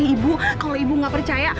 ibu kalau ibu nggak percaya